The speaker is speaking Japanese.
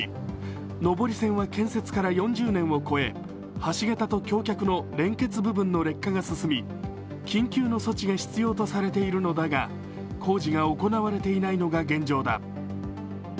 上り線は建設から４０年を超え橋桁と橋脚の連結部分の劣化が進み、緊急の措置が必要とされているのだが、工事が行われていないのが現状だ。